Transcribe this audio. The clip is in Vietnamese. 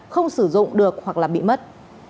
không sử dụng được hoặc bị mất